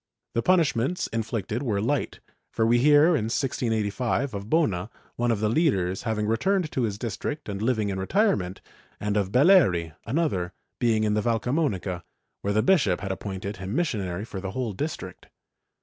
The punishments in flicted were light, for we hear, in 1685, of Bona, one of the leaders, having returned to his district and living in retirement, and of Belleri, another, being in the Valcamonica, where the bishop had appointed him missionary for the whole district.